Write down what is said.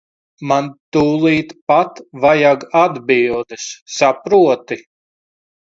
Man tūlīt pat vajag atbildes, saproti.